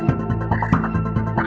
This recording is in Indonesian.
ntarin ke depan